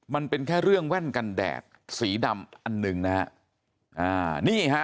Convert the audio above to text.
มันเป็นแค่เรื่องแว่นกันแดดสีดำอันหนึ่งนะฮะอ่านี่ฮะ